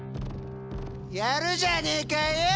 やるじゃねえかよう！